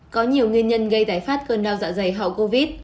có nhiều nguyên nhân gây tái phát cơn đau dạ dày họ covid